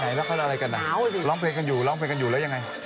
ไม่เข้ารู้อะไรกันหรอกล้องเพลงกันอยู่ล้องเพลงกันอยู่แล้วยังไง